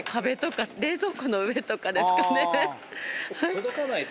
届かない所？